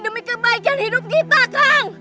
demi kebaikan hidup kita kan